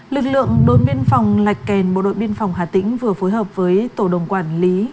lực lượng đối biên phòng lạch kèn bộ đội biên phòng hà tĩnh vừa phối hợp với tổ đồng quản lý